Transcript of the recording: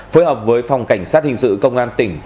phối hợp với phòng cảnh sát hình sự công an tỉnh